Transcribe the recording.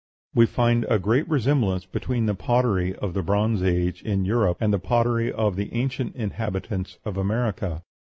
We find a great resemblance between the pottery of the Bronze Age in Europe and the pottery of the ancient inhabitants of America.